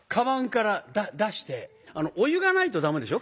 お湯がないと駄目でしょ？